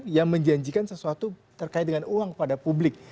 yang menjanjikan sesuatu terkait dengan uang kepada publik